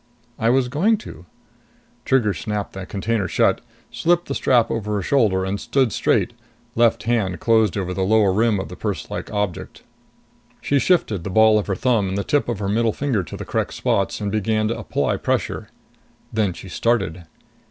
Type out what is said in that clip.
"I was going to." Trigger snapped the container shut, slipped the strap over her shoulder and stood straight, left hand closed over the lower rim of the purselike object. She shifted the ball of her thumb and the tip of her middle finger to the correct spots and began to apply pressure. Then she started.